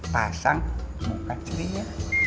pasang muka ceria